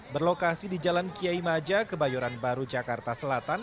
berlokasi di jalan kiai maja kebayoran baru jakarta selatan